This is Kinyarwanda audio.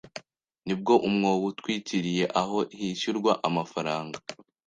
Nibwo umwobo utwikiriye aho hishyurwa amafaranga